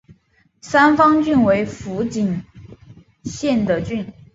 三方郡为福井县的郡。